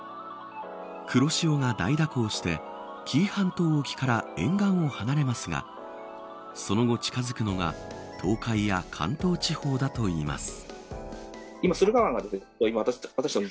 黒潮が大蛇行して紀伊半島沖から沿岸を離れますがその後、近づくのが東海や関東地方だといいます。